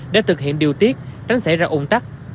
để thực hiện điều tiết tránh xảy ra ủng tắc